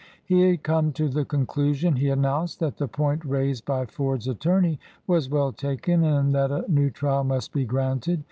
He had come to the conclusion, he an nounced, that the point raised by Ford's attor ney was well taken and that a new trial must be granted.